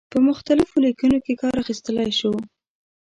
په مختلفو لیکنو کې کار اخیستلای شو.